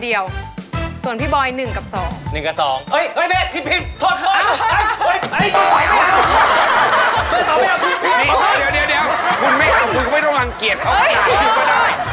เดี๋ยวคุณไม่เอาคุณก็ไม่ต้องรังเกียจเขาขนาดนี้ก็ได้